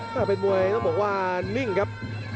แต่เป็นมวยต้องบอกว่านิ่งครับ